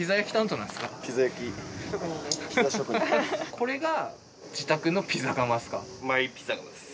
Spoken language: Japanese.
これが自宅のピザ窯ですか？